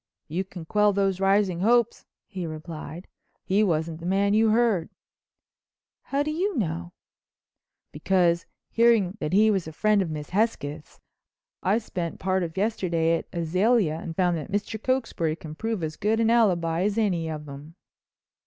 "You can quell those rising hopes," he replied. "He wasn't the man you heard." "How do you know?" "Because hearing that he was a friend of Miss Hesketh's, I spent part of yesterday at Azalea and found that Mr. Cokesbury can prove as good an alibi as any of them."